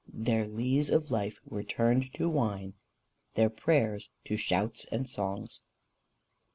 Their lees of life were turned to wine, Their prayers to shouts and songs!